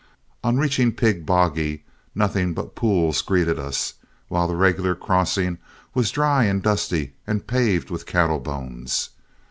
On reaching Pig Boggy, nothing but pools greeted us, while the regular crossing was dry and dusty and paved with cattle bones.